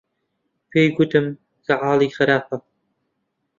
پێی گوتم کە حاڵی خراپە.